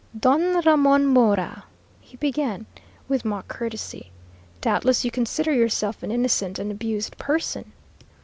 "Don Ramon Mora," he began, with mock courtesy, "doubtless you consider yourself an innocent and abused person.